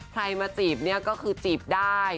ใครมาจีบเนี่ยก็คือจีบได้